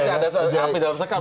berarti ada nafi dalam sekam